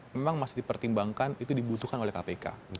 memang masih dipertimbangkan itu dibutuhkan oleh kpk